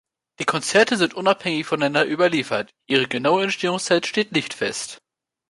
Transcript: Die Konzerte sind unabhängig voneinander überliefert; ihre genaue Entstehungszeit steht nicht fest.